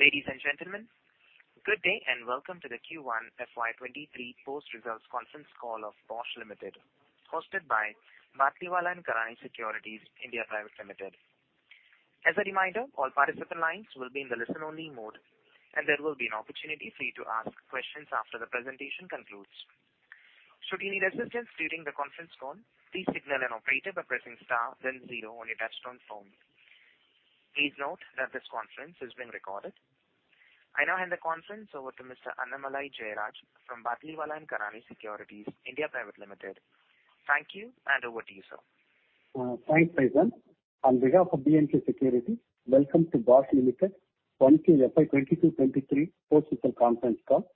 Ladies and gentlemen, good day, and welcome to the Q1 FY 2023 Post-Results Conference Call of Bosch Limited, hosted by Batlivala & Karani Securities India Pvt Ltd. As a reminder, all participant lines will be in the listen-only mode, and there will be an opportunity for you to ask questions after the presentation concludes. Should you need assistance during the conference call, please signal an operator by pressing star then zero on your touchtone phone. Please note that this conference is being recorded. I now hand the conference over to Mr. Annamalai Jayaraj from Batlivala & Karani Securities India Pvt Ltd. Thank you, and over to you, sir. Thanks, Prashant. On behalf of B&K Securities, welcome to Bosch Limited FY 2022-2023 Post-Results Conference Call.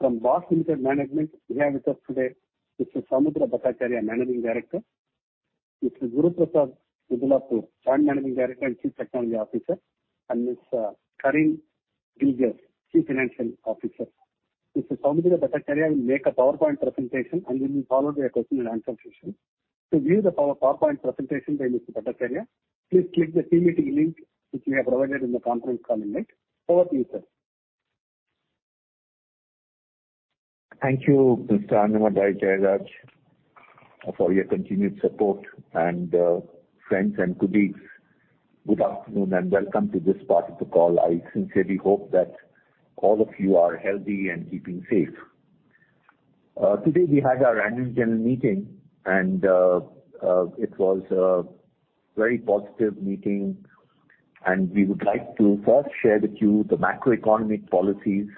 From Bosch Limited management, we have with us today Mr. Soumitra Bhattacharya, Managing Director, Mr. Guruprasad Mudlapur, Chief Technology Officer, and Ms. Karin Gilges, Chief Financial Officer. Mr. Soumitra Bhattacharya will make a PowerPoint presentation, and we will follow with a question-and-answer session. To view the PowerPoint presentation by Mr. Bhattacharya, please click the PPT link, which we have provided in the conference call invite. Over to you, sir. Thank you, Mr. Annamalai Jayaraj, for your continued support. Friends and colleagues, good afternoon, and welcome to this part of the call. I sincerely hope that all of you are healthy and keeping safe. Today we had our annual general meeting, and it was a very positive meeting. We would like to first share with you the macroeconomic policies,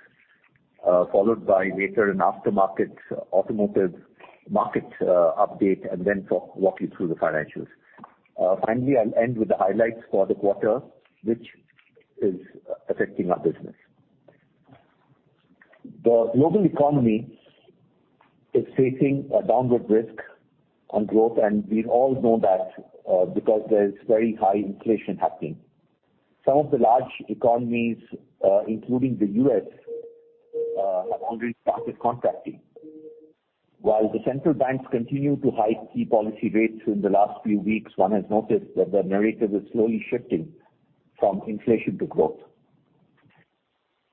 followed by later an aftermarket automotive market update, and then walk you through the financials. Finally, I'll end with the highlights for the quarter, which is affecting our business. The global economy is facing a downward risk on growth, and we all know that, because there is very high inflation happening. Some of the large economies, including the U.S., have already started contracting. While the central banks continued to hike key policy rates through the last few weeks, one has noticed that the narrative is slowly shifting from inflation to growth.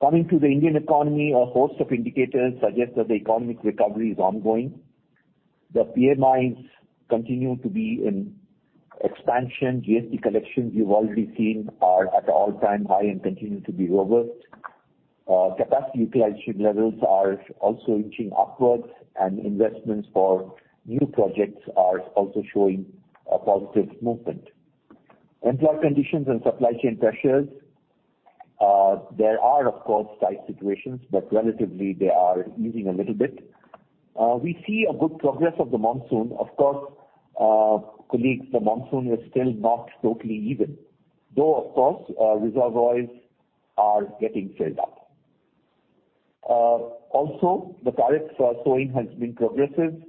Coming to the Indian economy, a host of indicators suggest that the economic recovery is ongoing. The PMIs continue to be in expansion. GST collections you've already seen are at all-time high and continue to be robust. Capacity utilization levels are also inching upwards, and investments for new projects are also showing a positive movement. Employment conditions and supply chain pressures, there are of course tight situations, but relatively they are easing a little bit. We see a good progress of the monsoon. Of course, colleagues, the monsoon is still not totally even, though of course, reservoirs are getting filled up. Also, the current sowing has been progressive.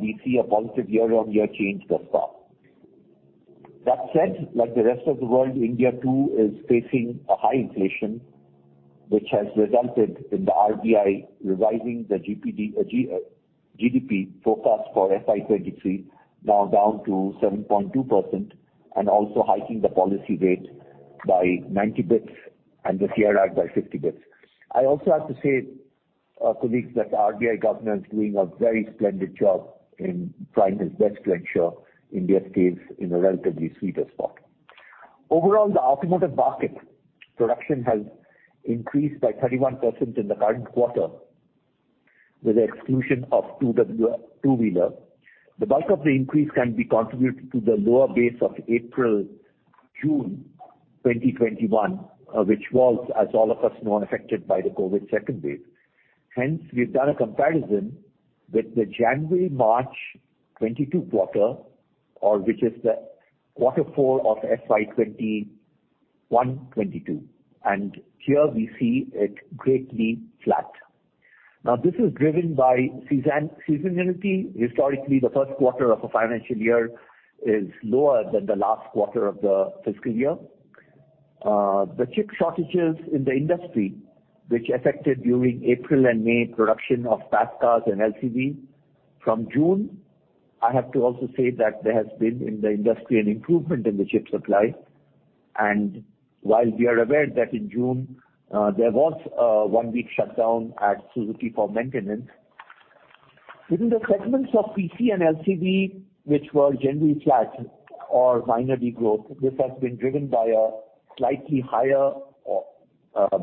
We see a positive year-on-year change thus far. That said, like the rest of the world, India too is facing a high inflation, which has resulted in the RBI revising the GDP forecast for FY 2023, now down to 7.2%, and also hiking the policy rate by 90 basis points and the CRR by 50 basis points. I also have to say, colleagues, that the RBI governor is doing a very splendid job in trying his best to ensure India stays in a relatively sweeter spot. Overall, the automotive market production has increased by 31% in the current quarter, with the exclusion of two-wheeler. The bulk of the increase can be contributed to the lower base of April-June 2021, which was, as all of us know, affected by the COVID second wave. Hence, we've done a comparison with the January-March 2022 quarter, or which is the quarter four of FY 2021-2022. Here we see it largely flat. Now, this is driven by seasonality. Historically, the first quarter of a financial year is lower than the last quarter of the fiscal year. The chip shortages in the industry which affected during April and May production of passenger cars and LCV. From June, I have to also say that there has been in the industry an improvement in the chip supply. While we are aware that in June, there was a one-week shutdown at Suzuki for maintenance. Within the segments of PC and LCV, which were generally flat or minor degrowth, this has been driven by a slightly higher,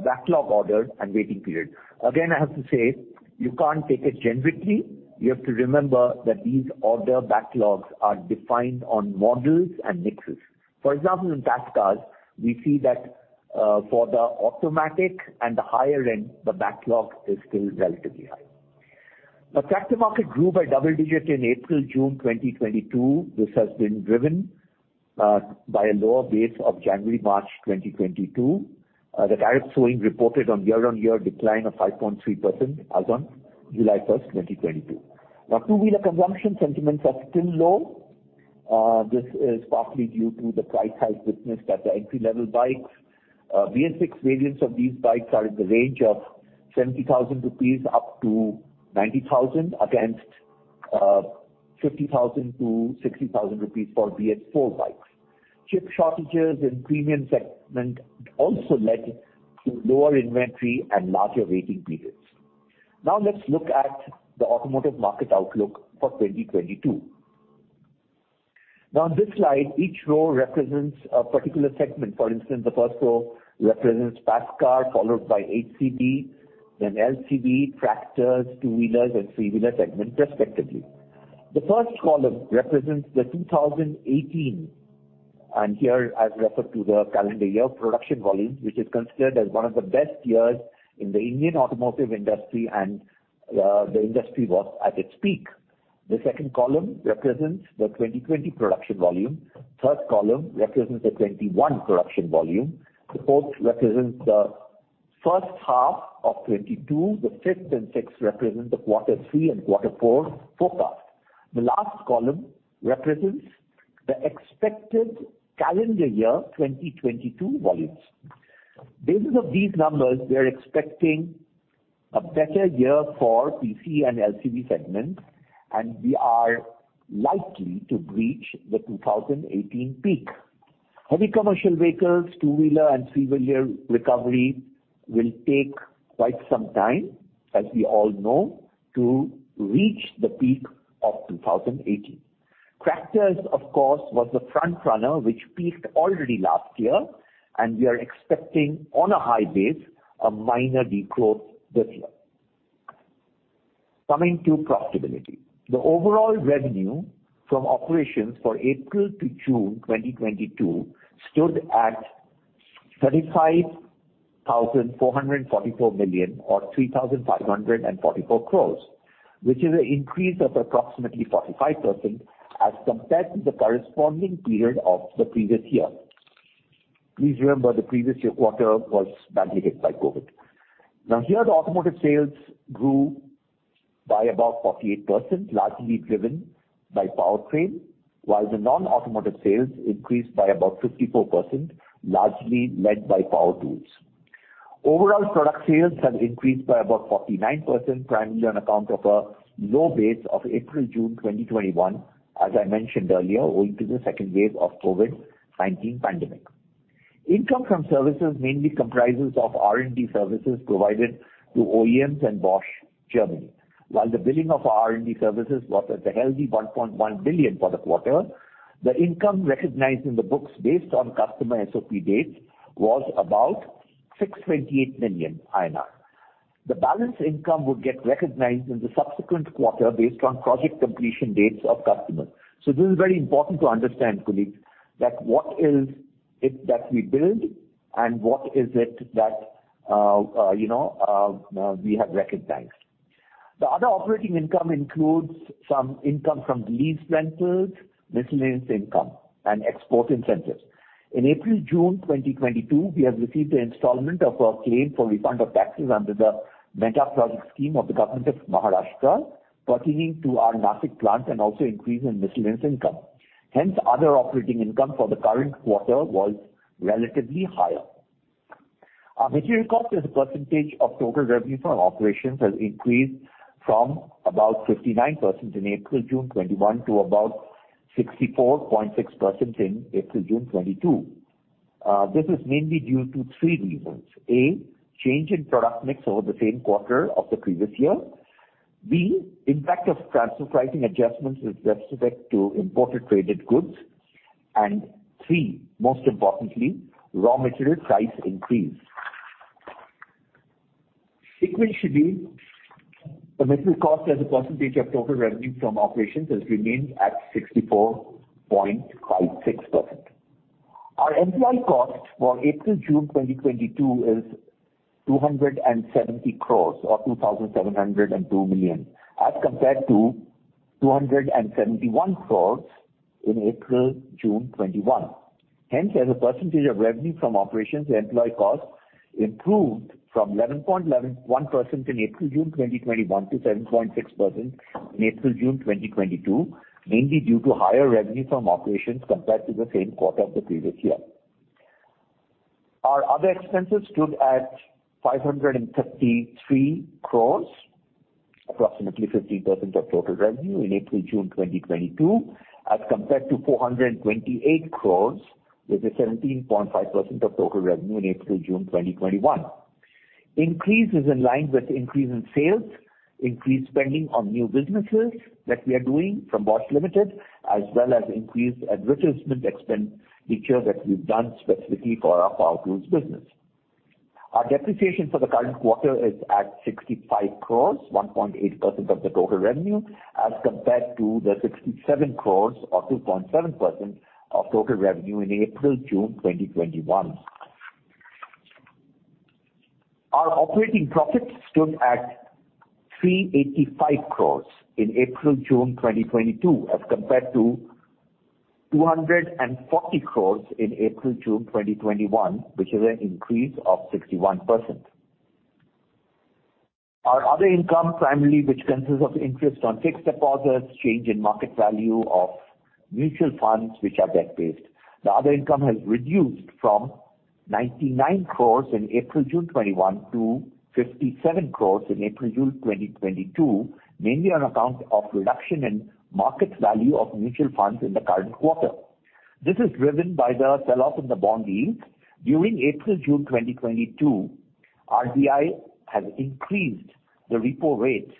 backlog order and waiting period. Again, I have to say, you can't take it generically. You have to remember that these order backlogs are defined on models and mixes. For example, in fast cars, we see that for the automatic and the higher end, the backlog is still relatively high. The tractor market grew by double digits in April-June 2022. This has been driven by a lower base of January-March 2022. The kharif sowing reported a year-on-year decline of 5.3% as on July 1st, 2022. Now, two-wheeler consumer sentiments are still low. This is partly due to the price hike witnessed at the entry-level bikes. BS6 variants of these bikes are in the range of 70,000-90,000 rupees against 50,000-60,000 rupees for BS4 bikes. Chip shortages in premium segment also led to lower inventory and larger waiting periods. Now let's look at the automotive market outlook for 2022. In this slide, each row represents a particular segment. For instance, the first row represents pass car, followed by HCV, then LCV, tractors, two-wheelers and three-wheeler segment respectively. The first column represents 2018, and here I've referred to the calendar year production volume, which is considered as one of the best years in the Indian automotive industry and the industry was at its peak. The second column represents the 2020 production volume. Third column represents the 2021 production volume. The fourth represents the first half of 2022. The fifth and sixth represent the quarter three and quarter four forecast. The last column represents the expected calendar year 2022 volumes. Based on these numbers, we are expecting a better year for PC and LCV segments, and we are likely to reach the 2018 peak. Heavy commercial vehicles, two-wheeler and three-wheeler recovery will take quite some time, as we all know, to reach the peak of 2018. Tractors, of course, was the front runner which peaked already last year, and we are expecting on a high base, a minor decline this year. Coming to profitability. The overall revenue from operations for April to June 2022 stood at 35,444 million or 3,544 crore, which is an increase of approximately 45% as compared to the corresponding period of the previous year. Please remember, the previous year quarter was badly hit by COVID. Now here, the automotive sales grew by about 48%, largely driven by Powertrain, while the non-automotive sales increased by about 54%, largely led by Power Tools. Overall, product sales have increased by about 49%, primarily on account of a low base of April-June 2021, as I mentioned earlier, owing to the second wave of COVID-19 pandemic. Income from services mainly comprises of R&D services provided to OEMs and Bosch Germany. While the billing of our R&D services was at a healthy 1.1 billion for the quarter, the income recognized in the books based on customer SOP dates was about 628 million INR. The balance income would get recognized in the subsequent quarter based on project completion dates of customers. This is very important to understand, colleagues, that what is it that we build and what is it that, you know, we have recognized. The other operating income includes some income from lease rentals, miscellaneous income and export incentives. In April-June 2022, we have received the installment of our claim for refund of taxes under the Mega Project scheme of the Government of Maharashtra pertaining to our Nashik plant and also increase in miscellaneous income. Hence, other operating income for the current quarter was relatively higher. Our material cost as a percentage of total revenue from operations has increased from about 59% in April-June 2021 to about 64.6% in April-June 2022. This is mainly due to three reasons. A, change in product mix over the same quarter of the previous year. B, impact of transfer pricing adjustments with respect to imported traded goods. Three, most importantly, raw material price increase. Sequentially, the material cost as a percentage of total revenue from operations has remained at 64.56%. Our employee cost for April-June 2022 is 270 crore or 2,702 million, as compared to 271 crore in April-June 2021. Hence, as a percentage of revenue from operations, employee costs improved from 11.11% in April-June 2021 to 7.6% in April-June 2022, mainly due to higher revenue from operations compared to the same quarter of the previous year. Our other expenses stood at 553 crores, approximately 15% of total revenue in April-June 2022, as compared to 428 crores with a 17.5% of total revenue in April-June 2021. Increase is in line with increase in sales, increased spending on new businesses that we are doing from Bosch Limited, as well as increased advertisement expenditure that we've done specifically for our Power Tools business. Our depreciation for the current quarter is at 65 crores, 1.8% of the total revenue, as compared to the 67 crores or 2.7% of total revenue in April-June 2021. Our operating profits stood at 385 crores in April-June 2022, as compared to 240 crores in April-June 2021, which is an increase of 61%. Our other income primarily, which consists of interest on fixed deposits, change in market value of mutual funds which are debt-based. Other income has reduced from 99 crores in April-June 2021 to 57 crores in April-June 2022, mainly on account of reduction in market value of mutual funds in the current quarter. This is driven by the sell-off in the bond yield. During April-June 2022, RBI has increased the repo rate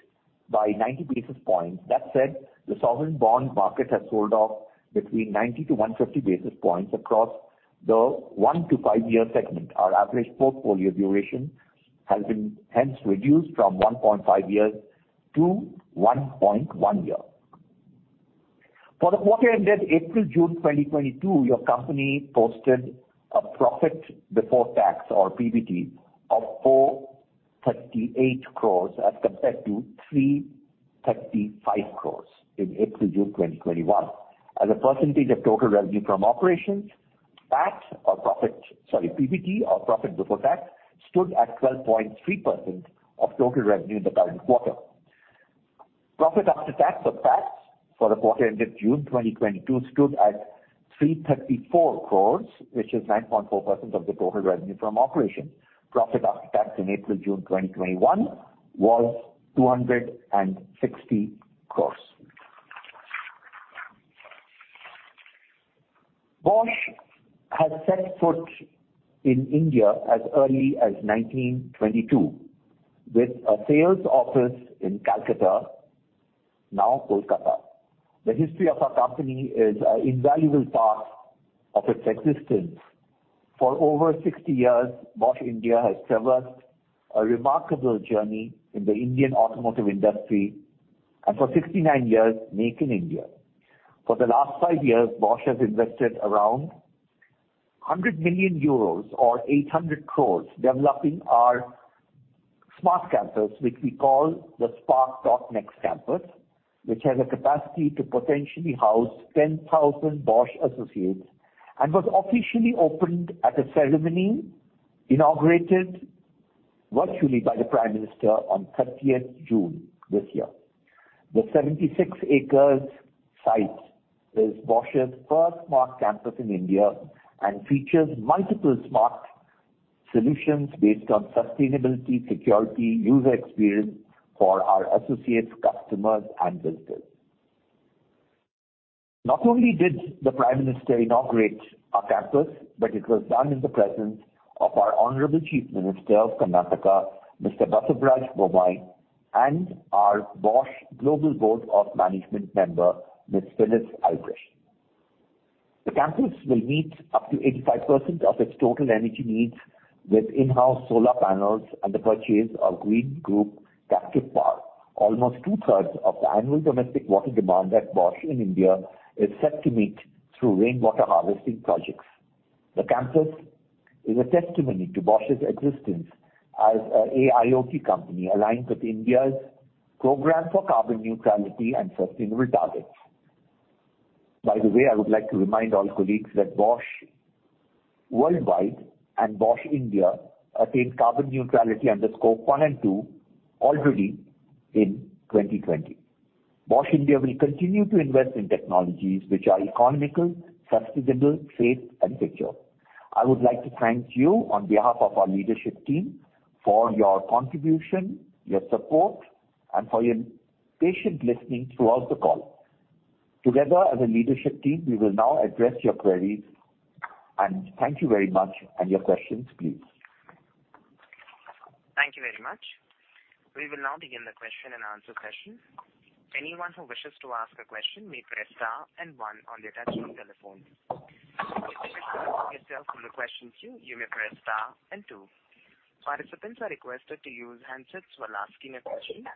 by 90 basis points. That said, the sovereign bond market has sold off between 90-50 basis points across the one- to five-year segment. Our average portfolio duration has been hence reduced from 1.5 years to 1.1 years. For the quarter ended June 2022, your company posted a profit before tax or PBT of 438 crores as compared to 335 crores in June 2021. As a percentage of total revenue from operations, PBT or profit before tax stood at 12.3% of total revenue in the current quarter. Profit after tax or PAT for the quarter ended June 2022 stood at 334 crores, which is 9.4% of the total revenue from operations. Profit after tax in June 2021 was INR 260 crores. Bosch has set foot in India as early as 1922 with a sales office in Calcutta, now Kolkata. The history of our company is an invaluable part of its existence. For over 60 years, Bosch India has traversed a remarkable journey in the Indian automotive industry and for 69 years, Make in India. For the last five years, Bosch has invested around 100 million euros or 800 crores developing our smart campus, which we call the Spark.NXT campus, which has a capacity to potentially house 10,000 Bosch associates and was officially opened at a ceremony inaugurated virtually by the Prime Minister on 30th June this year. The 76 acres site is Bosch's first smart campus in India and features multiple smart solutions based on sustainability, security, user experience for our associates, customers, and visitors. Not only did the Prime Minister inaugurate our campus, but it was done in the presence of our honorable Chief Minister of Karnataka, Mr. Basavaraj Bommai, and our Bosch Global Board of Management member, Ms. Filiz Albrecht. The campus will meet up to 85% of its total energy needs with in-house solar panels and the purchase of green group captive power. Almost two-thirds of the annual domestic water demand at Bosch in India is set to meet through rainwater harvesting projects. The campus is a testimony to Bosch's existence as an AIoT company aligned with India's program for carbon neutrality and sustainable targets. By the way, I would like to remind all colleagues that Bosch worldwide and Bosch India attained carbon neutrality under Scope 1 and 2 already in 2020. Bosch India will continue to invest in technologies which are economical, sustainable, safe, and secure. I would like to thank you on behalf of our leadership team for your contribution, your support, and for your patient listening throughout the call. Together as a leadership team, we will now address your queries, and thank you very much. Your questions, please. Thank you very much. We will now begin the question and answer session. Anyone who wishes to ask a question may press star and one on your touchtone telephone. If you wish to withdraw yourself from the question queue, you may press star and two. Participants are requested to use handsets while asking a question.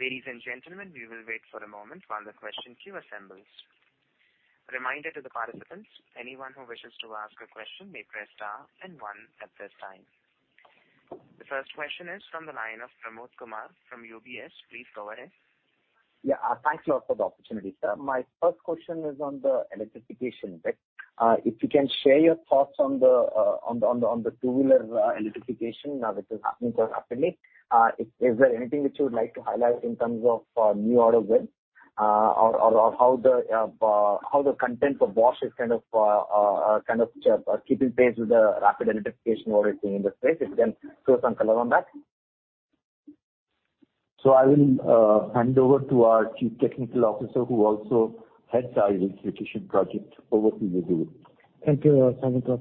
Ladies and gentlemen, we will wait for a moment while the question queue assembles. A reminder to the participants, anyone who wishes to ask a question may press star and one at this time. The first question is from the line of Pramod Kumar from UBS. Please go ahead. Yeah. Thanks a lot for the opportunity, sir. My first question is on the electrification bit. If you can share your thoughts on the two-wheeler electrification, which is happening so rapidly. Is there anything which you would like to highlight in terms of new order win, or how the content for Bosch is kind of keeping pace with the rapid electrification that we're seeing in the space? If you can throw some color on that. I will hand over to our Chief Technology Officer who also heads our electrification project. Over to you, Guru. Thank you, Soumitra.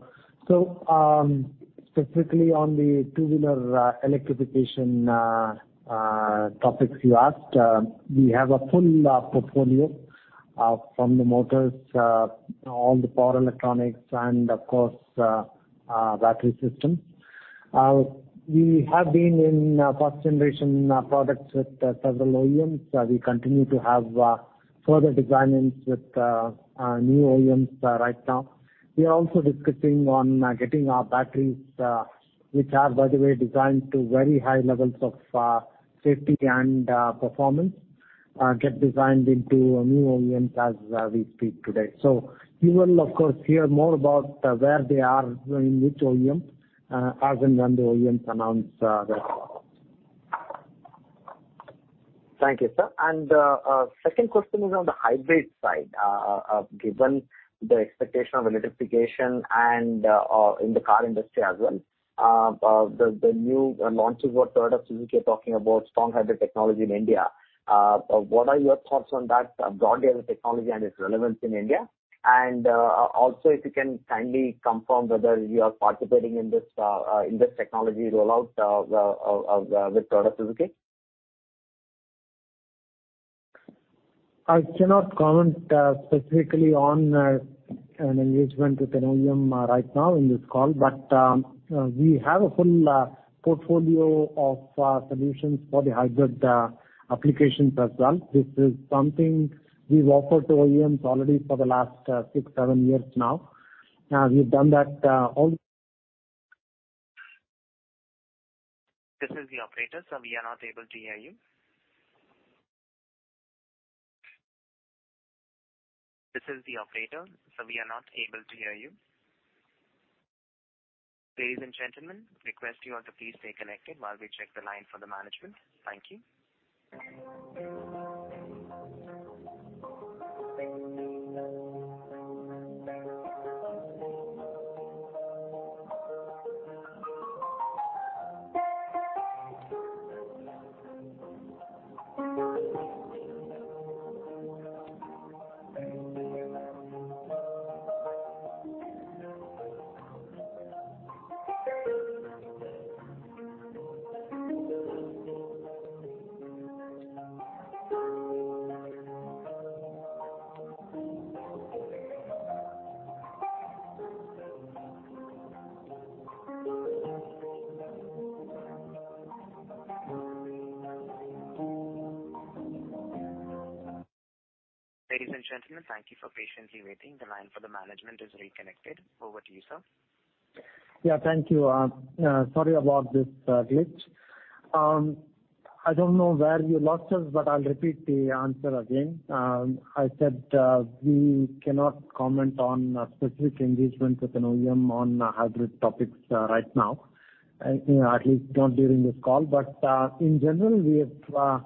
Specifically on the two-wheeler electrification topics you asked, we have a full portfolio from the motors, all the power electronics and of course, battery system. We have been in first generation products with several OEMs. We continue to have further design-ins with new OEMs right now. We are also discussing on getting our batteries, which are, by the way, designed to very high levels of safety and performance, get designed into new OEMs as we speak today. You will of course hear more about where they are and which OEM, as and when the OEMs announce their. Thank you, sir. Second question is on the hybrid side. Given the expectation of electrification and in the car industry as well, the new launches where Maruti Suzuki are talking about strong hybrid technology in India, what are your thoughts on that broad area of technology and its relevance in India? Also, if you can kindly confirm whether you are participating in this technology rollout with Maruti Suzuki. I cannot comment specifically on an engagement with an OEM right now in this call, but we have a full portfolio of solutions for the hybrid applications as well. This is something we've offered to OEMs already for the last six, seven years now. We've done that. This is the operator, sir. We are not able to hear you. Ladies and gentlemen, request you all to please stay connected while we check the line for the management. Thank you. Ladies and gentlemen, thank you for patiently waiting. The line for the management is reconnected. Over to you, sir. Yeah. Thank you. Sorry about this glitch. I don't know where you lost us, but I'll repeat the answer again. I said we cannot comment on a specific engagement with an OEM on hybrid topics right now. You know, at least not during this call. But in general, we have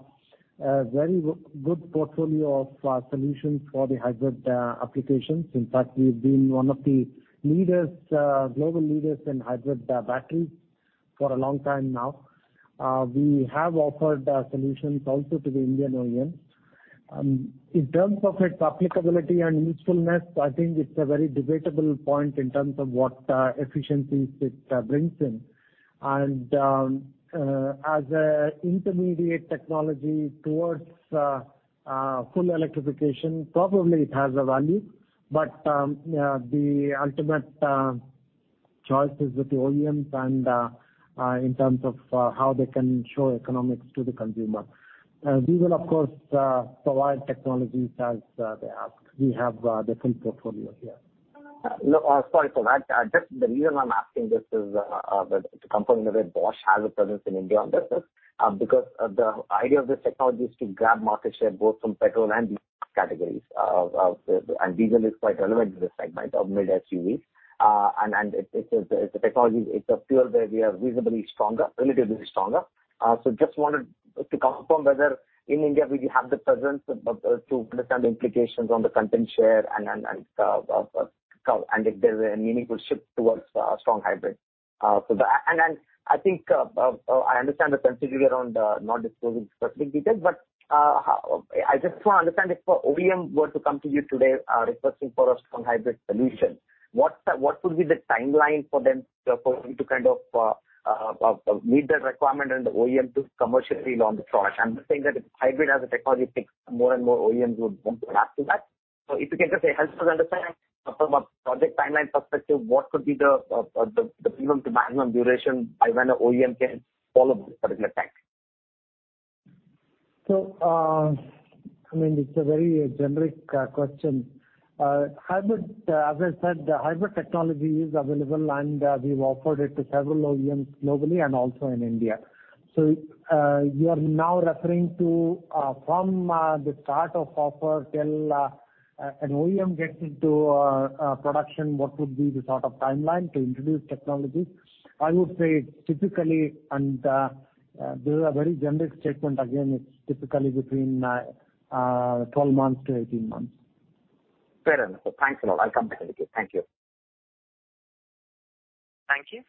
a very good portfolio of solutions for the hybrid applications. In fact, we've been one of the leaders, global leaders in hybrid batteries for a long time now. We have offered our solutions also to the Indian OEM. In terms of its applicability and usefulness, I think it's a very debatable point in terms of what efficiencies it brings in. As an intermediate technology towards full electrification, probably it has a value, but the ultimate choice is with the OEMs and in terms of how they can show economics to the consumer. We will of course provide technologies as they ask. We have the full portfolio here. No. Sorry for that. Just the reason I'm asking this is that to confirm in a way Bosch has a presence in India on this because the idea of this technology is to grab market share both from petrol and diesel categories. Diesel is quite relevant in this segment of mid SUVs. It is a technology, a field where we are reasonably stronger, relatively stronger. Just wanted to confirm whether in India we have the presence to understand the implications on the content share and if there's a meaningful shift towards strong hybrid. I think I understand the sensitivity around not disclosing specific details, but I just want to understand if a OEM were to come to you today requesting for a strong hybrid solution, what would be the timeline for them for you to kind of meet that requirement and the OEM to commercially launch the product? I'm not saying that if hybrid as a technology picks up, more and more OEMs would want to adapt to that. If you can just help us understand from a project timeline perspective, what could be the minimum to maximum duration by when an OEM can follow this particular path? I mean, it's a very generic question. Hybrid, as I said, hybrid technology is available, and we've offered it to several OEMs globally and also in India. You are now referring to from the start of offer till an OEM gets into production, what would be the sort of timeline to introduce technologies? I would say typically, and this is a very generic statement, again, it's typically between 12-18 months. Fair enough. Thanks a lot. I'll come back with you. Thank you. Thank you.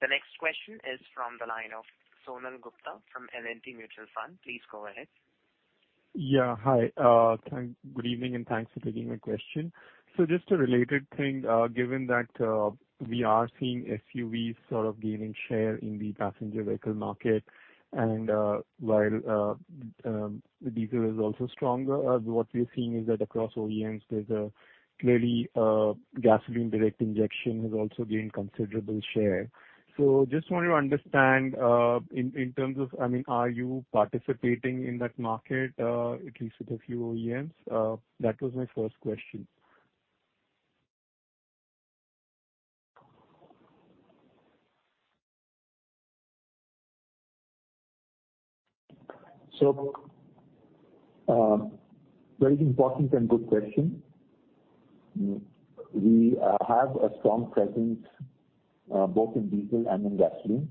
The next question is from the line of Sonal Gupta from L&T Mutual Fund. Please go ahead. Good evening, and thanks for taking my question. Just a related thing, given that, we are seeing SUVs sort of gaining share in the passenger vehicle market, and while diesel is also stronger, what we are seeing is that across OEMs there's clearly gasoline direct injection has also gained considerable share. Just want to understand, in terms of, I mean, are you participating in that market, at least with a few OEMs? That was my first question. Very important and good question. We have a strong presence both in diesel and in gasoline.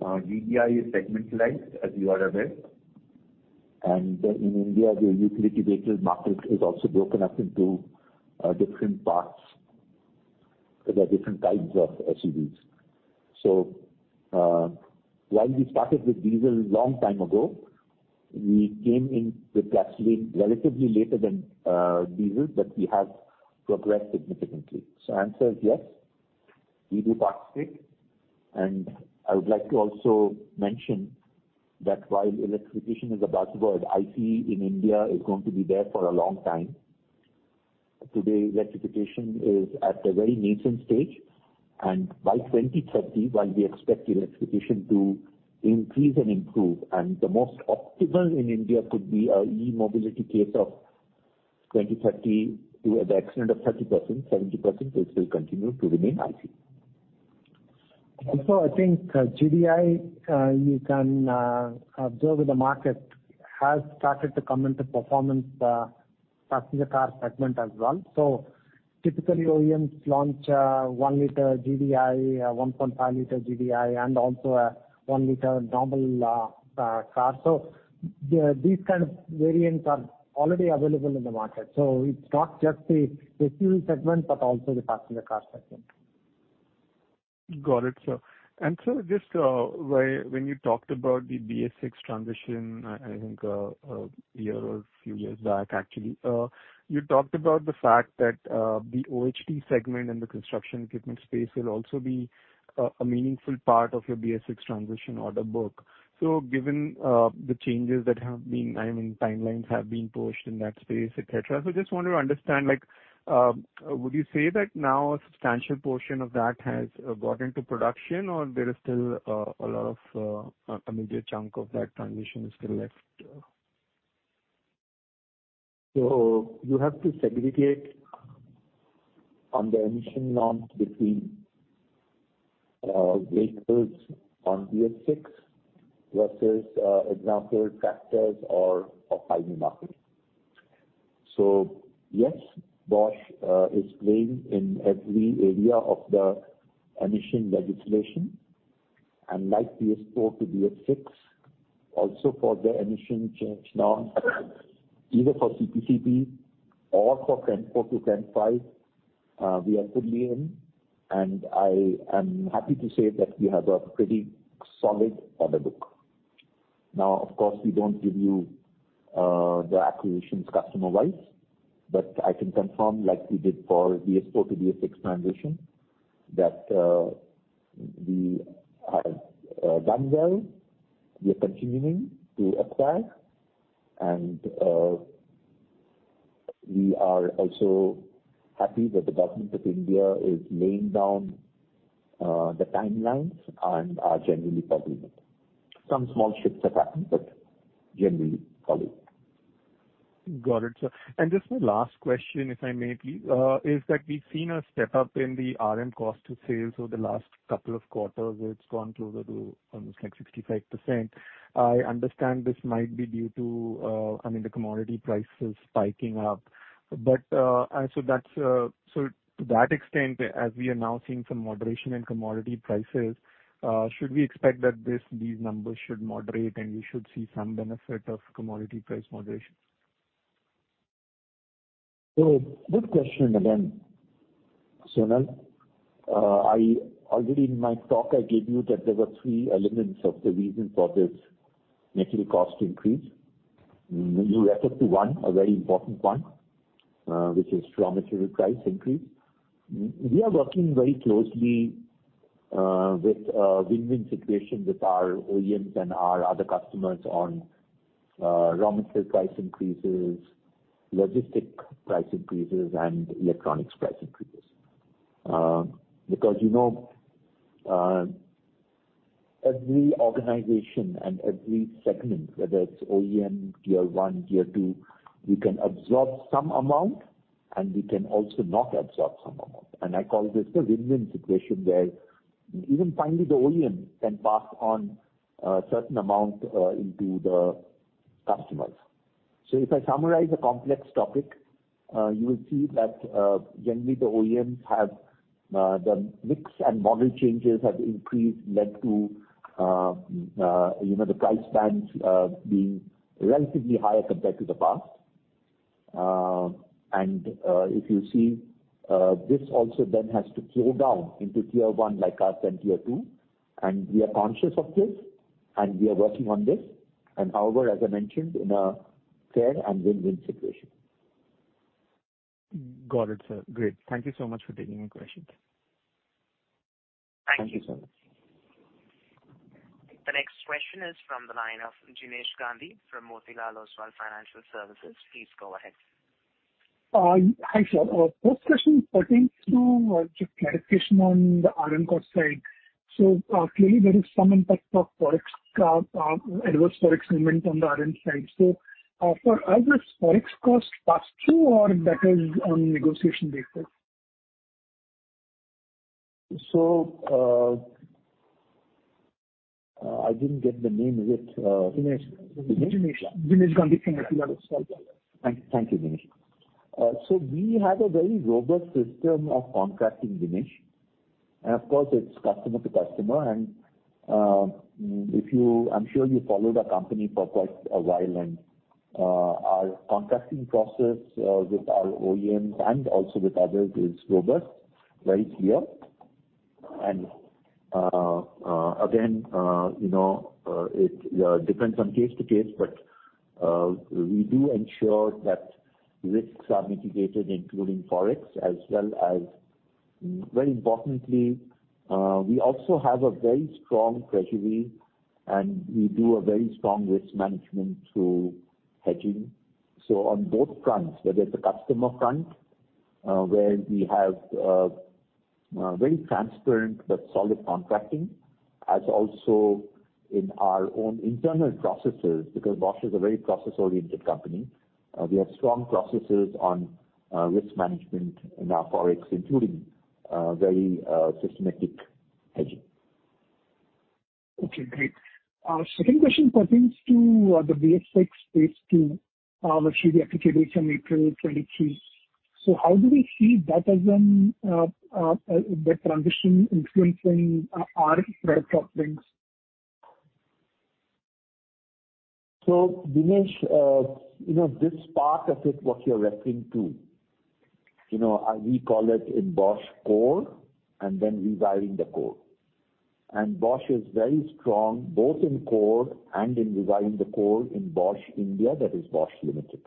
GDI is segmentalized, as you are aware. In India, the utility vehicle market is also broken up into different parts. There are different types of SUVs. While we started with diesel long time ago, we came in with gasoline relatively later than diesel, but we have progressed significantly. Answer is yes, we do participate. I would like to also mention that while electrification is a buzzword, ICE in India is going to be there for a long time. Today, electrification is at a very nascent stage. By 2030, while we expect electrification to increase and improve, and the most optimal in India could be an e-mobility case of 2030 to the extent of 30%, 70% will still continue to remain ICE. Also, I think GDI, you can observe in the market, has started to come into prominence, passenger car segment as well. Typically OEMs launch 1 liter GDI, 1.5 liter GDI and also a 1 liter normal car. It's not just the fuel segment, but also the passenger car segment. Got it, sir. Sir, just when you talked about the BS6 transition, I think a year or a few years back, actually, you talked about the fact that the OHT segment and the construction equipment space will also be a meaningful part of your BS6 transition order book. Given the changes that have been. I mean, timelines have been pushed in that space, et cetera. Just want to understand, like, would you say that now a substantial portion of that has got into production, or there is still a lot of a major chunk of that transition is still left? You have to segregate on the emission norms between vehicles on BS6 versus example tractors or off-highway market. Yes, Bosch is playing in every area of the emission legislation, and like BS4 to BS6, also for the emission change norms, either for CPCB or for TREM IV to TREM V, we are fully in, and I am happy to say that we have a pretty solid order book. Now, of course, we don't give you the acquisitions customer-wise, but I can confirm, like we did for BS4 to BS6 transition, that we have done well. We are continuing to acquire and we are also happy that the Government of India is laying down the timelines and are generally following it. Some small shifts have happened, but generally following. Got it, sir. Just my last question, if I may please, is that we've seen a step-up in the RM cost to sales over the last couple of quarters, where it's gone to over to almost like 65%. I understand this might be due to, I mean, the commodity prices spiking up. To that extent, as we are now seeing some moderation in commodity prices, should we expect that these numbers should moderate and we should see some benefit of commodity price moderation? Good question again, Sonal. I already in my talk, I gave you that there were three elements of the reason for this material cost increase. You referred to one, a very important one, which is raw material price increase. We are working very closely with a win-win situation with our OEMs and our other customers on raw material price increases, logistic price increases, and electronics price increases. Because, you know, every organization and every segment, whether it's OEM, tier one, tier two, we can absorb some amount, and we can also not absorb some amount. I call this a win-win situation where even finally the OEM can pass on a certain amount into the customers. If I summarize a complex topic, you will see that, generally the OEMs have the mix and model changes have increased, led to you know the price tags being relatively higher compared to the past. If you see, this also then has to flow down into tier one like us and tier two, and we are conscious of this, and we are working on this. However, as I mentioned, in a fair and win-win situation. Got it, sir. Great. Thank you so much for taking my questions. Thank you. Thank you so much. The next question is from the line of Jinesh Gandhi from Motilal Oswal Financial Services. Please go ahead. Hi, sir. First question pertains to just clarification on the RM cost side. Clearly there is some impact of Forex, adverse Forex movement on the RM side. For us, does Forex cost pass through or that is on negotiation basis? I didn't get the name. Is it? Jinesh. Jinesh? Jinesh Gandhi. Thank you, Jinesh. We have a very robust system of contracting, Jinesh. Of course, it's customer to customer. I'm sure you followed our company for quite a while. Our contracting process with our OEMs and also with others is robust right here. You know, it depends on case to case. We do ensure that risks are mitigated including Forex as well as. Very importantly, we also have a very strong treasury, and we do a very strong risk management through hedging. On both fronts, whether it's a customer front, where we have a very transparent but solid contracting. As also in our own internal processes, because Bosch is a very process-oriented company, we have strong processes on risk management in our Forex including very systematic hedging. Okay, great. Second question pertains to the BS6 phase II, which will be effective from April 2023. How do we see that as the transition influencing our product offerings? Jinesh, you know, this part of it, what you're referring to, you know, we call it in Bosch core and then revising the core. Bosch is very strong both in core and in revising the core in Bosch India, that is Bosch Limited,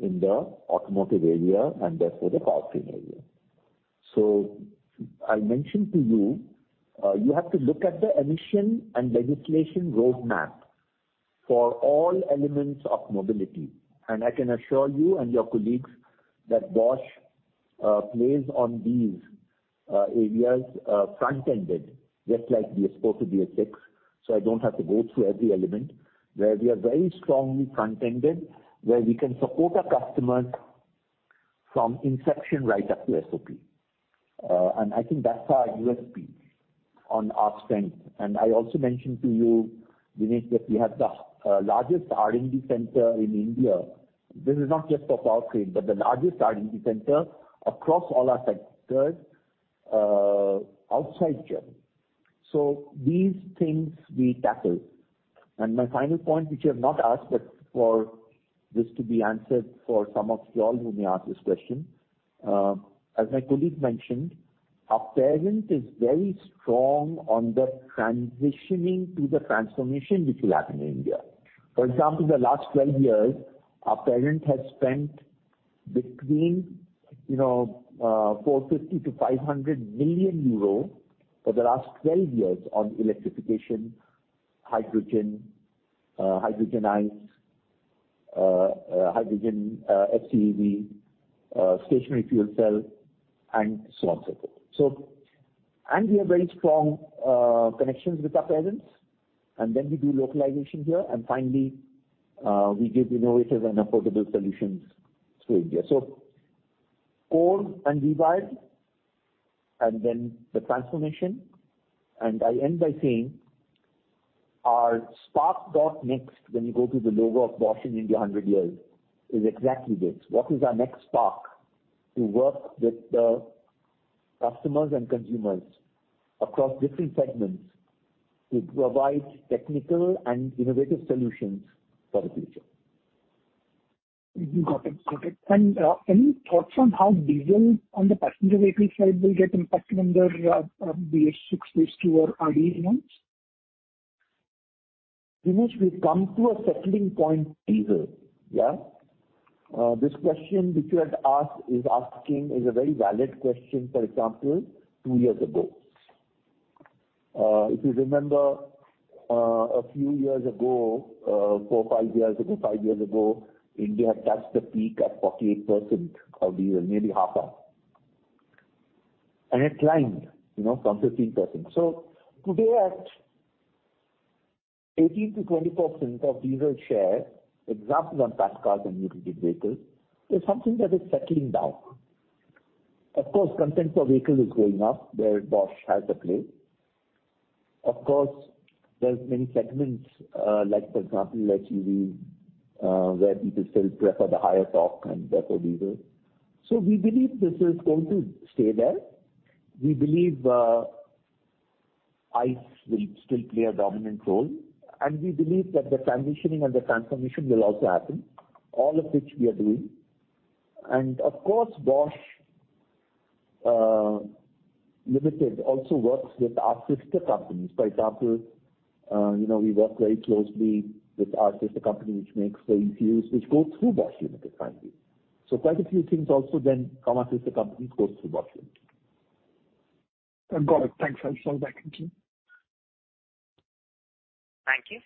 in the automotive area and therefore the powertrain area. I mentioned to you have to look at the emission and legislation roadmap for all elements of mobility. I can assure you and your colleagues that Bosch plays on these areas front-ended, just like we have spoken BS6, so I don't have to go through every element. Where we are very strongly front-ended, where we can support our customers from inception right up to SOP. I think that's our USP on our strength. I also mentioned to you, Jinesh, that we have the largest R&D center in India. This is not just for Powertrain, but the largest R&D center across all our sectors outside Germany. These things we tackle. My final point, which you have not asked but for this to be answered for some of you all who may ask this question. As my colleague mentioned, our parent is very strong on the transitioning to the transformation which will happen in India. For example, in the last 12 years, our parent has spent between you know 450 million-500 million euro for the last 12 years on electrification, hydrogen ICE, hydrogen FCEV, stationary fuel cell, and so on, so forth. We have very strong connections with our parents. Then we do localization here. Finally, we give innovative and affordable solutions to India. Core and revive, and then the transformation. I end by saying our Spark.NXT. When you go to the logo of Bosch in India a hundred years is exactly this. What is our next spark to work with the customers and consumers across different segments to provide technical and innovative solutions for the future? Got it. Any thoughts on how diesel on the passenger vehicle side will get impacted under BS6 phase II or RDE norms? Jinesh, we've come to a settling point diesel. This question which you had asked is a very valid question, for example, two years ago. If you remember, a few years ago, four or five years ago, India touched the peak at 48% of diesel, maybe half of. It climbed, you know, from 15%. Today at 18%-20% of diesel share, exactly on passenger cars and utility vehicles, there's something that is settling down. Of course, content per vehicle is going up where Bosch has a place. Of course, there's many segments, like for example, like EV, where people still prefer the higher torque and therefore diesel. We believe this is going to stay there. We believe ICE will still play a dominant role. We believe that the transitioning and the transformation will also happen, all of which we are doing. Of course, Bosch Limited also works with our sister companies. For example, you know, we work very closely with our sister company which makes the ECUs which go through Bosch Limited finally. Quite a few things also then come our sister company goes through Bosch Limited. Got it. Thanks. I'll send it back. Thank you. Thank you.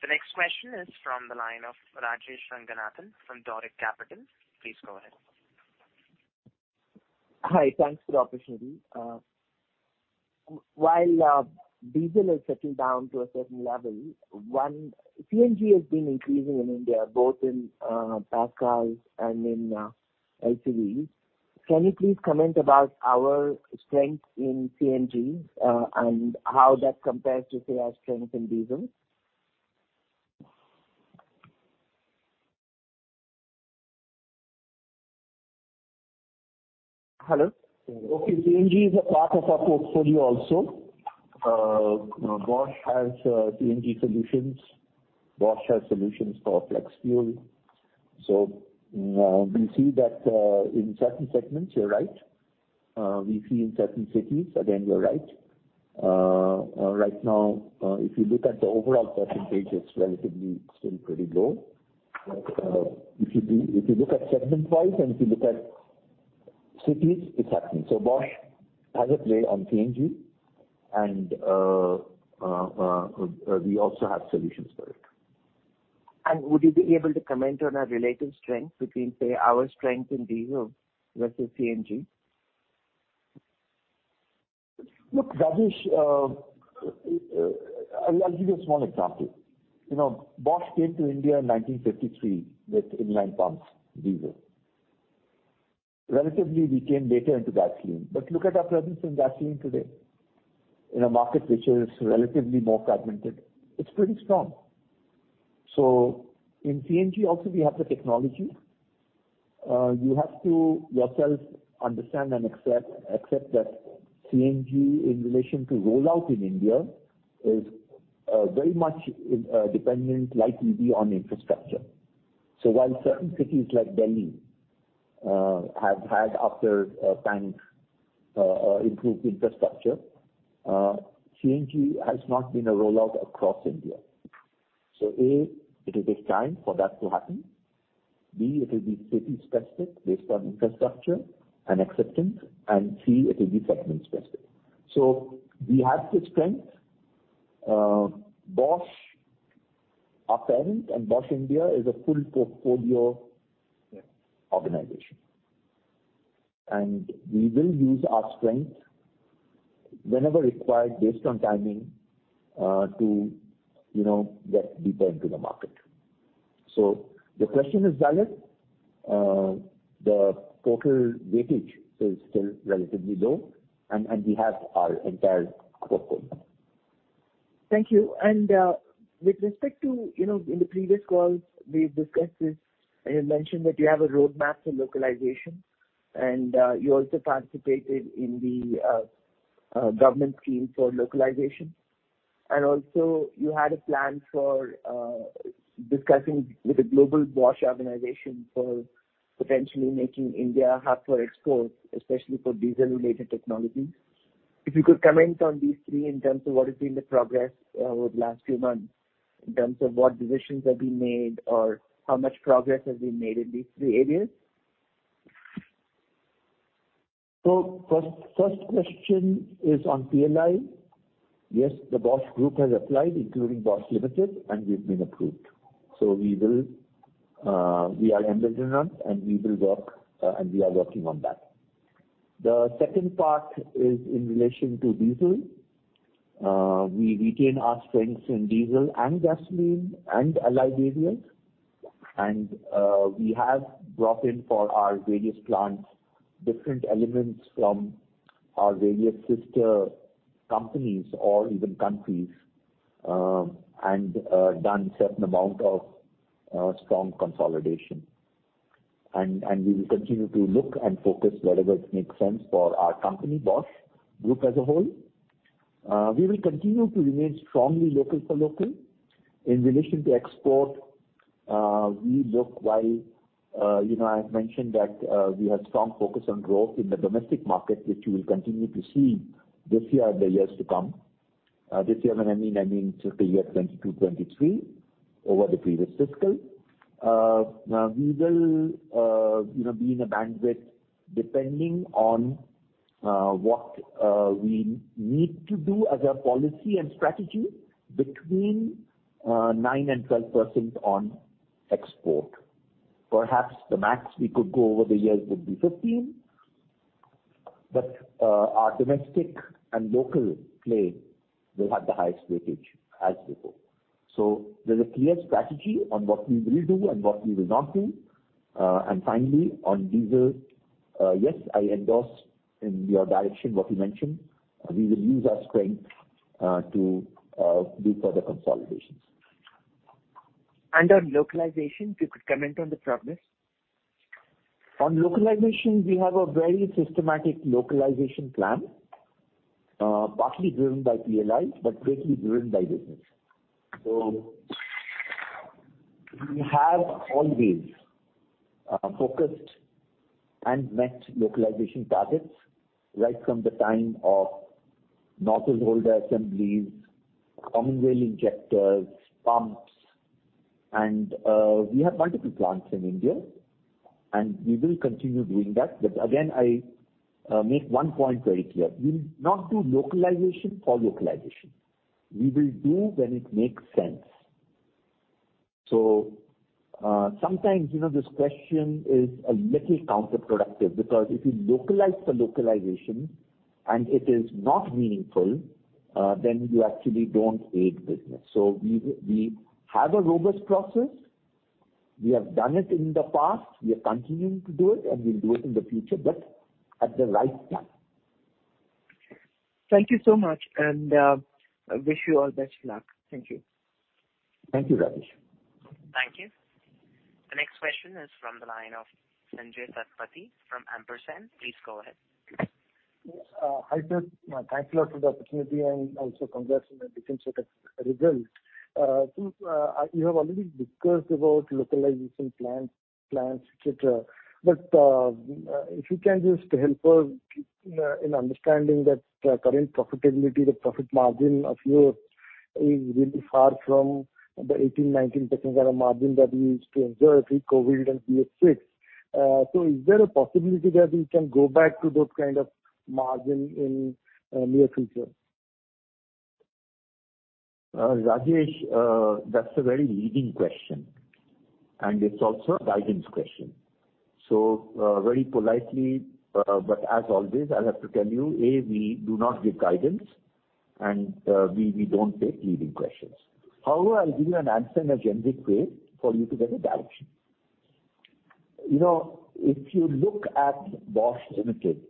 The next question is from the line of Rajesh Ranganathan from Doric Capital. Please go ahead. Hi. Thanks for the opportunity. While diesel has settled down to a certain level, CNG has been increasing in India, both in passenger cars and in LCVs. Can you please comment about our strength in CNG and how that compares to, say, our strength in diesel? Hello. Okay. CNG is a part of our portfolio also. You know, Bosch has CNG solutions. Bosch has solutions for flex fuel. We see that in certain segments, you're right. We see in certain cities, again, you're right. Right now, if you look at the overall percentage, it's relatively still pretty low. If you look at segment wise and if you look at cities, it's happening. Bosch has a play on CNG and we also have solutions for it. Would you be able to comment on our relative strength between, say, our strength in diesel versus CNG? Look, Rajesh, I'll give you a small example. You know, Bosch came to India in 1953 with inline pumps, diesel. Relatively, we came later into gasoline. Look at our presence in gasoline today. In a market which is relatively more fragmented, it's pretty strong. In CNG also we have the technology. You have to yourself understand and accept that CNG in relation to rollout in India is very much dependent likely be on infrastructure. While certain cities like Delhi have had after time improved infrastructure, CNG has not been a rollout across India. It will take time for that to happen. It will be city-specific based on infrastructure and acceptance, and it will be segment specific. We have the strength. Bosch, our parent and Bosch India is a full portfolio organization, and we will use our strength whenever required based on timing, to you know get deeper into the market. The question is valid. The total weightage is still relatively low and we have our entire portfolio. Thank you. With respect to, you know, in the previous calls we've discussed this and you mentioned that you have a roadmap for localization and you also participated in the government scheme for localization. You had a plan for discussing with the global Bosch organization for potentially making India a hub for export, especially for diesel related technologies. If you could comment on these three in terms of what has been the progress over the last few months, in terms of what decisions have been made or how much progress has been made in these three areas. First question is on PLI. Yes, the Bosch Group has applied, including Bosch Limited, and we've been approved. We are eligible and we will work and we are working on that. The second part is in relation to diesel. We retain our strengths in diesel and gasoline and allied areas. We have brought in for our various plants different elements from our various sister companies or even countries, and done certain amount of strong consolidation. We will continue to look and focus wherever it makes sense for our company, Bosch Group as a whole. We will continue to remain strongly local for local. In relation to export, you know, I have mentioned that we have strong focus on growth in the domestic market, which you will continue to see this year and the years to come. This year, I mean the year 2022-2023 over the previous fiscal. Now diesel, you know, be in a bandwidth depending on what we need to do as a policy and strategy between 9%-12% on export. Perhaps the max we could go over the years would be 15%, but our domestic and local play will have the highest weightage as before. There's a clear strategy on what we will do and what we will not do. Finally on diesel, yes, I endorse your direction what you mentioned. We will use our strength to do further consolidations. On localization, if you could comment on the progress. On localization, we have a very systematic localization plan, partly driven by PLI, but basically driven by business. We have always focused and met localization targets right from the time of nozzle holder assemblies, common rail injectors, pumps. We have multiple plants in India, and we will continue doing that. Again, I make one point very clear. We will not do localization for localization. We will do when it makes sense. Sometimes, you know, this question is a little counterproductive because if you localize the localization and it is not meaningful, then you actually don't aid business. We have a robust process. We have done it in the past, we are continuing to do it, and we'll do it in the future, but at the right time. Thank you so much, and I wish you all best luck. Thank you. Thank you, Rajesh. Thank you. The next question is from the line of Sanjaya Satapathy from Ampersand. Please go ahead. Hi, sir. Thank you a lot for the opportunity and also congrats on the decent set of results. You have already discussed about localization plans. If you can just help us in understanding that current profitability, the profit margin of yours is really far from the 18%-19% kind of margin that we used to enjoy pre-COVID and BS6. Is there a possibility that we can go back to those kind of margin in near future? Rajesh, that's a very leading question, and it's also a guidance question. Very politely, but as always, I'll have to tell you, A, we do not give guidance, and B, we don't take leading questions. However, I'll give you an answer in a generic way for you to get a direction. You know, if you look at Bosch Limited,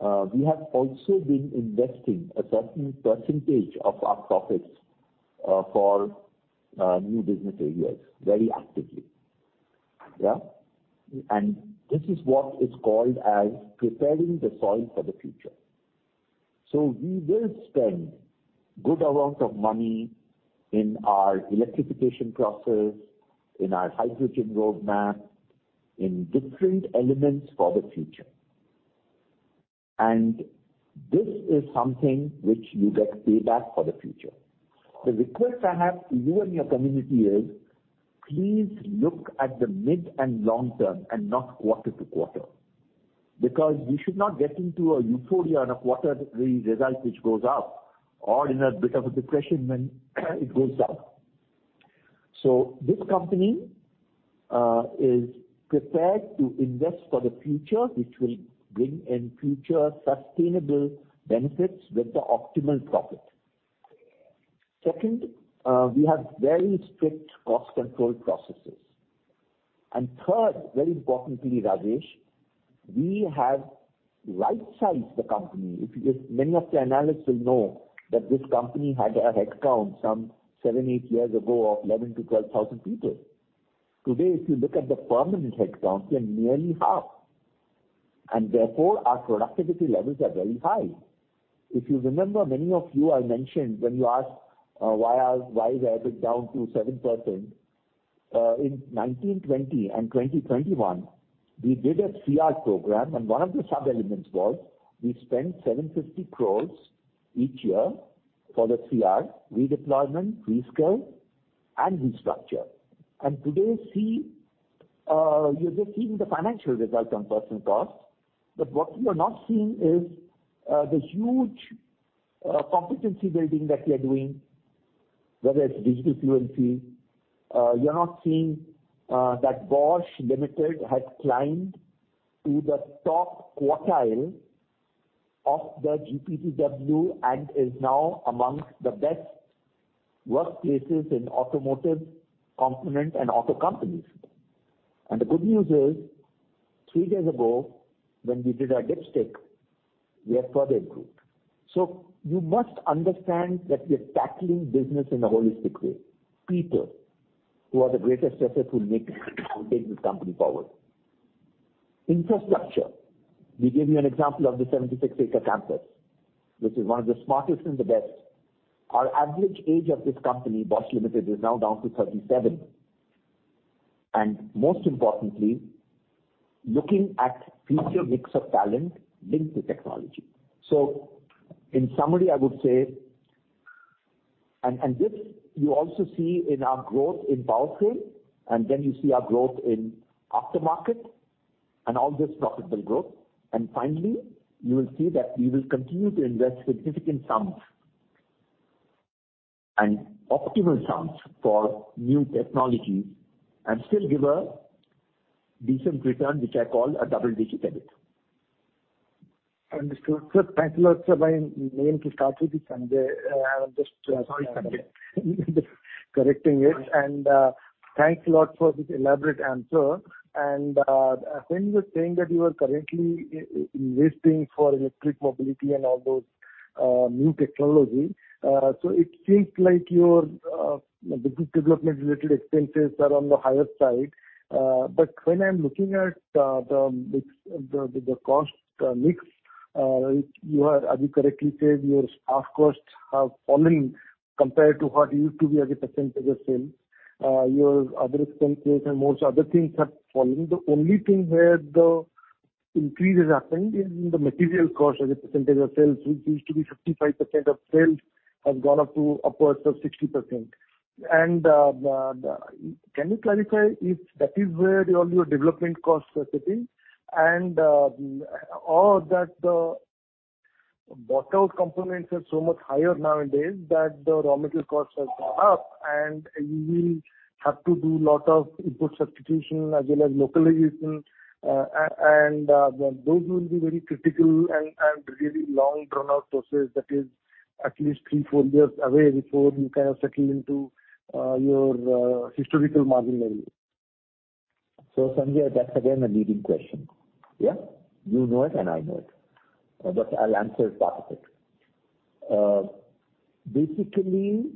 we have also been investing a certain percentage of our profits for new business areas very actively. This is what is called as preparing the soil for the future. We will spend good amount of money in our electrification process, in our hydrogen roadmap, in different elements for the future. This is something which you get payback for the future. The request I have to you and your community is, please look at the mid and long term and not quarter to quarter, because you should not get into a euphoria on a quarterly result which goes up or in a bit of a depression when it goes down. This company is prepared to invest for the future, which will bring in future sustainable benefits with the optimal profit. Second, we have very strict cost control processes. Third, very importantly, Rajesh, we have rightsized the company. If many of the analysts will know that this company had a headcount some seven, eight years ago of 11,000-12,000 people. Today, if you look at the permanent headcount, we are nearly half, and therefore our productivity levels are very high. If you remember, many of you I mentioned when you asked why is EBITDA down to 7%, in 2020 and 2021 we did a CR program and one of the sub-elements was we spent 750 crore each year for the CR redeployment, reskill, and restructure. Today see, you're just seeing the financial result on personnel cost. What you are not seeing is the huge competency building that we are doing, whether it's digital fluency, you're not seeing that Bosch Limited has climbed to the top quartile of the Great Place to Work and is now amongst the best workplaces in automotive component and auto companies. The good news is, three days ago when we did our dipstick, we have further improved. You must understand that we are tackling business in a holistic way. People who are the greatest assets who make and take this company forward. Infrastructure. We gave you an example of the 76-acre campus, which is one of the smartest and the best. Our average age of this company, Bosch Limited, is now down to 37. Most importantly, looking at future mix of talent linked to technology. In summary, I would say. This you also see in our growth in Powertrain, and then you see our growth in Aftermarket and all this profitable growth. Finally, you will see that we will continue to invest significant sums and optimal sums for new technologies and still give a decent return, which I call a double-digit EBITDA. Understood. Sir, thank you a lot, sir. My name to start with is Sanjaya. Sorry, Sanjaya. Correcting it. Thanks a lot for this elaborate answer. When you were saying that you are currently investing for electric mobility and all those new technology, so it seems like your business development related expenses are on the higher side. When I'm looking at the cost mix, which you have, as you correctly said, your staff costs have fallen compared to what used to be as a percentage of sales. Your other expenses and most other things have fallen. The only thing where the increase is happening in the material cost as a percentage of sales, which used to be 55% of sales, has gone up to upwards of 60%. Can you clarify if that is where all your development costs are sitting? And or that the imported components are so much higher nowadays that the raw material costs have gone up and you will have to do lot of input substitution as well as localization. And those will be very critical and really long drawn-out process that is at least three, four years away before you kind of settle into your historical margin level. Sanjaya, that's again a leading question. Yeah? You know it and I know it. But I'll answer part of it. Basically,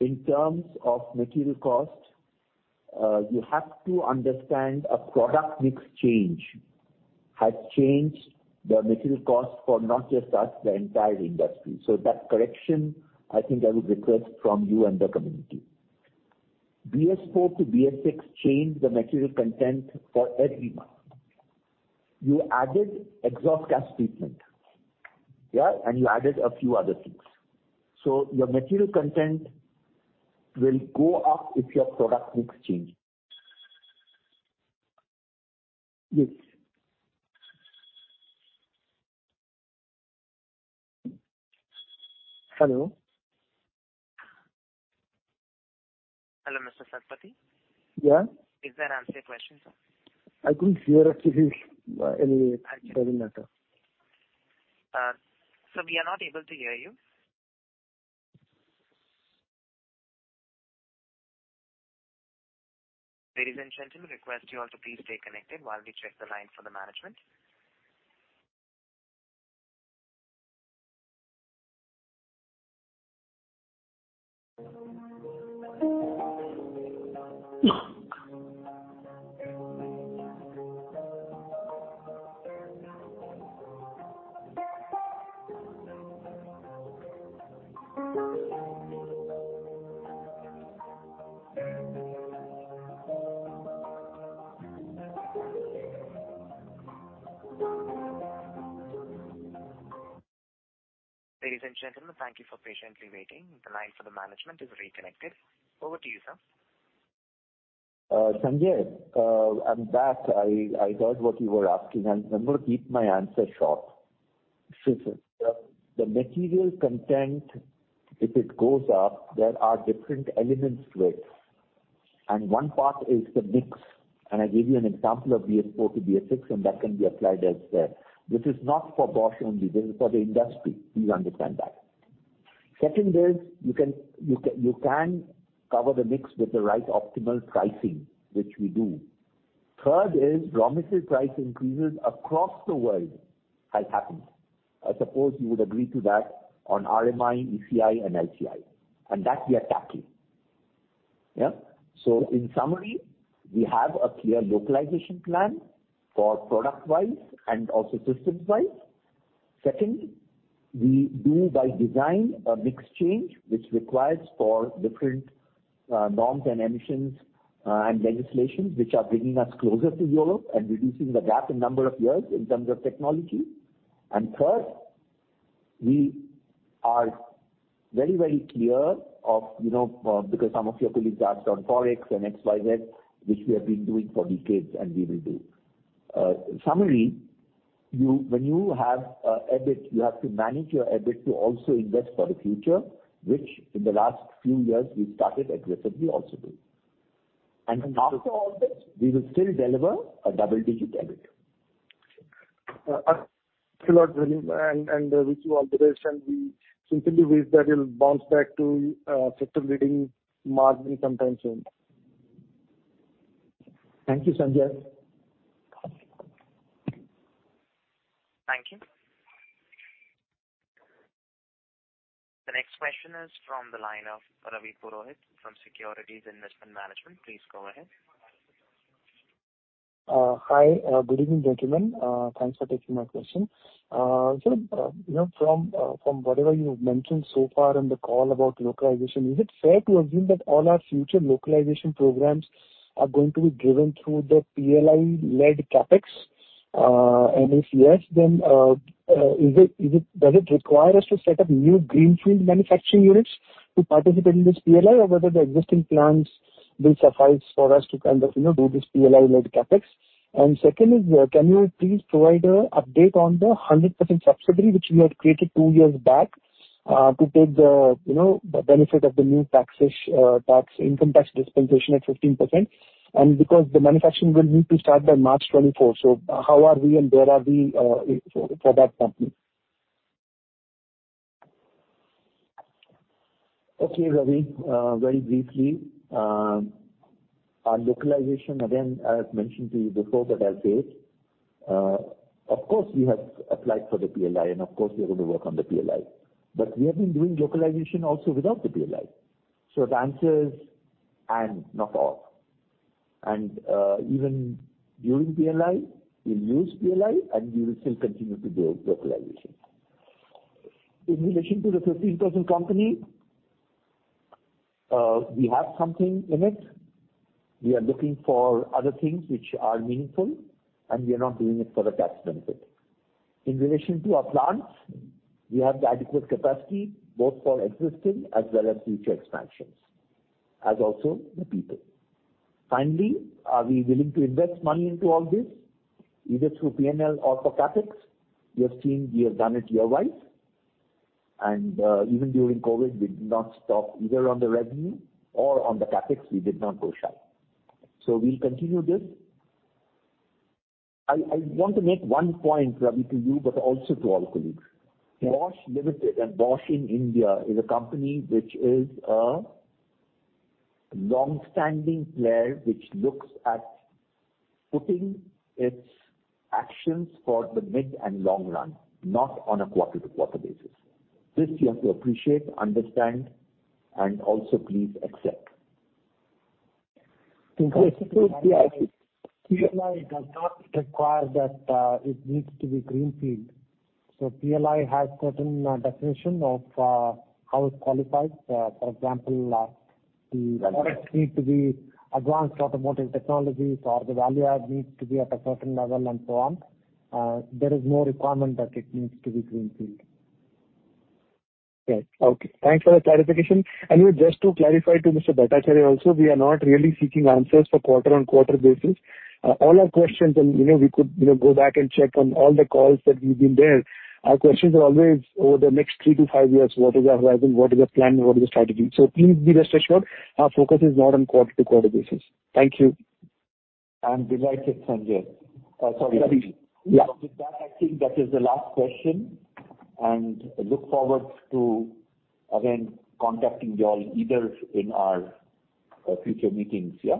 in terms of material cost, you have to understand a product mix change has changed the material cost for not just us, the entire industry. That correction, I think I would request from you and the community. BS4 to BS6 changed the material content for everyone. You added exhaust gas treatment. Yeah? And you added a few other things. Your material content will go up if your product mix changes. Yes. Hello? Hello, Mr. Satapathy? Yeah. Does that answer your question, sir? I couldn't hear if there is any. I can- Further matter. Sir, we are not able to hear you. Ladies and gentlemen, request you all to please stay connected while we check the line for the management. Ladies and gentlemen, thank you for patiently waiting. The line for the management is reconnected. Over to you, sir. Sanjaya, I'm back. I heard what you were asking, and I'm gonna keep my answer short. Sure, sir. The material content, if it goes up, there are different elements to it, and one part is the mix. I gave you an example of BS4 to BS6, and that can be applied as there. This is not for Bosch only, this is for the industry. Please understand that. Second is you can cover the mix with the right optimal pricing, which we do. Third is raw material price increases across the world has happened. I suppose you would agree to that on RMI, ECI and LCI. That we are tackling. Yeah? In summary, we have a clear localization plan for product wise and also systems wise. Secondly, we do by design a mix change which requires for different, norms and emissions, and legislations which are bringing us closer to Europe and reducing the gap in number of years in terms of technology. Third, we are very, very clear of, you know, because some of your colleagues asked on Forex and XYZ, which we have been doing for decades and we will do. In summary, when you have, EBIT, you have to manage your EBIT to also invest for the future, which in the last few years we started aggressively also doing. After all this, we will still deliver a double-digit EBIT. Thank you a lot, Vinny. Wish you all the best, and we simply wish that you'll bounce back to sector-leading margin sometime soon. Thank you, Sanjaya. Thank you. The next question is from the line of Ravi Purohit from Securities Investment Management. Please go ahead. Hi. Good evening, gentlemen. Thanks for taking my question. Sir, you know, from whatever you've mentioned so far in the call about localization, is it fair to assume that all our future localization programs are going to be driven through the PLI-led CapEx? If yes, then, does it require us to set up new greenfield manufacturing units to participate in this PLI, or whether the existing plants will suffice for us to kind of, you know, do this PLI-led CapEx? Second is, can you please provide an update on the 100% subsidiary which you had created two years back, to take the, you know, the benefit of the new tax income tax dispensation at 15%. Because the manufacturing will need to start by March 2024. How are we and where are we for that company? Okay, Ravi. Very briefly, our localization, again, I have mentioned to you before, but I'll say it, of course we have applied for the PLI and of course we are gonna work on the PLI, but we have been doing localization also without the PLI. The answer is and, not or. Even during PLI, we'll use PLI and we will still continue to do localization. In relation to the 15% company, we have something in it. We are looking for other things which are meaningful, and we are not doing it for the tax benefit. In relation to our plants, we have the adequate capacity both for existing as well as future expansions, as also the people. Finally, are we willing to invest money into all this, either through P&L or for CapEx? You have seen we have done it year-wise. Even during COVID, we did not stop either on the revenue or on the CapEx, we did not go shy. We'll continue this. I want to make one point, Ravi, to you, but also to all colleagues. Bosch Limited and Bosch in India is a company which is a long-standing player, which looks at putting its actions for the mid and long run, not on a quarter-to-quarter basis. This you have to appreciate, understand, and also please accept. In case of PLI does not require that, it needs to be greenfield. PLI has certain definition of how it qualifies. For example, the products need to be advanced automotive technologies or the value add needs to be at a certain level and so on. There is no requirement that it needs to be greenfield. Okay. Thanks for the clarification. Anyway, just to clarify to Mr. Bhattacharya also, we are not really seeking answers for quarter-on-quarter basis. All our questions and, you know, we could, you know, go back and check on all the calls that we've been there. Our questions are always over the next three to five years, what is our horizon? What is the plan? What is the strategy? Please be rest assured our focus is not on quarter-to-quarter basis. Thank you. I'm delighted, Sanjaya. Sorry. Ravi. Yeah. With that, I think that is the last question, and look forward to again contacting you all either in our future meetings, yeah.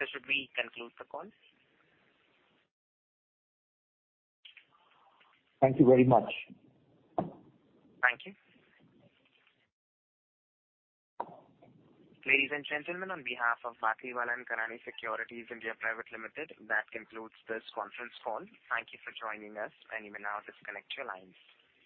Sir, should we conclude the call? Thank you very much. Thank you. Ladies and gentlemen, on behalf of Batlivala & Karani Securities India Pvt Ltd, that concludes this conference call. Thank you for joining us. You may now disconnect your lines.